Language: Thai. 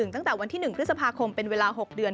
ตั้งแต่วันที่๑พฤษภาคมเป็นเวลา๖เดือน